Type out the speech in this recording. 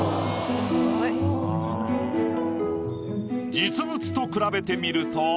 すごい。実物と比べてみると。